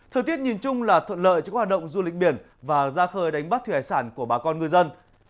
thời tiết nhìn chung là thuận lợi cho các hoạt động du lịch biển và ra khơi đánh bắt thủy hải sản của bà con ngư dân